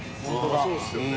そうっすよね。